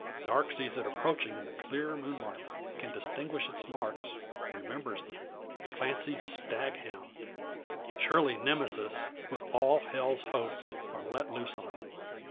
Darke sees it approaching in the clear moonlight, can distinguish its markings, remembers them. Clancy's stag hound! Surely Nemesis, with all hell's hosts, are let loose on him!